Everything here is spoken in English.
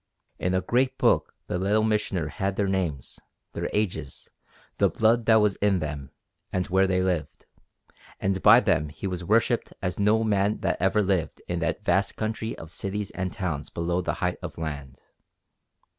In a great book the Little Missioner had their names, their ages, the blood that was in them, and where they lived; and by them he was worshipped as no man that ever lived in that vast country of cities and towns below the Height of Land.